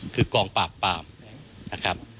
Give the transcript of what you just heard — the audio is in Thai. คือกองปราบปรามนะครับ